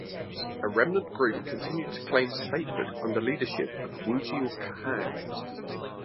A remnant group continued to claim statehood under leadership of Wujie Qaghan.